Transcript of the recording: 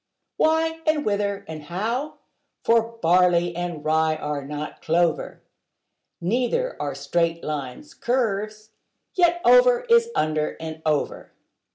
Why, and whither, and how? for barley and rye are not clover: Neither are straight lines curves: yet over is under and over.